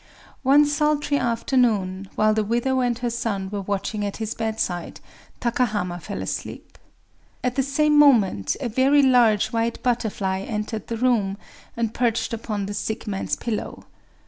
One sultry afternoon, while the widow and her son were watching at his bedside, Takahama fell asleep. At the same moment a very large white butterfly entered the room, and perched upon the sick man's pillow.